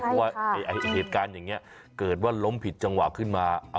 เพราะว่าเหตุการณ์อย่างนี้เกิดว่าล้มผิดจังหวะขึ้นมา